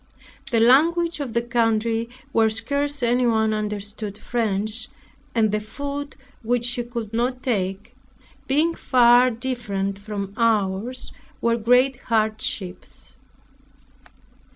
The language of the country, where scarce anyone understood French, and the food, which she could not take, being far different from ours, were great hardships.